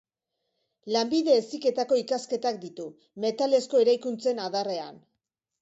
Lanbide Heziketako ikasketak ditu, metalezko eraikuntzen adarrean.